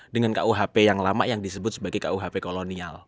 dengan kuhp yang lama yang disebut sebagai kuhp kolonial